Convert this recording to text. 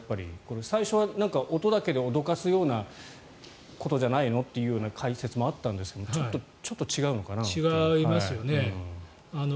最初は音だけで脅かすようなことじゃないのというような解説もあったんですが違いますよね。